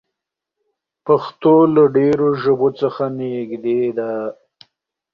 پښتو له ډېرو ژبو څخه نږدې ده.